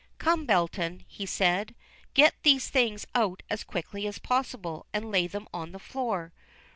"Come, Belton," he said, "get these things out as quickly as possible and lay them on the floor.